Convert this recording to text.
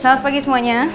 selamat pagi semuanya